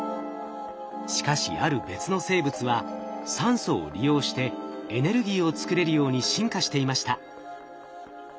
しかしある別の生物は酸素を利用してエネルギーを作れるように進化していました。